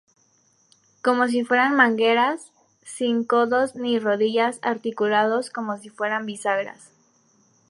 Como si fueran mangueras: sin codos ni rodillas articulados como si fueran bisagras.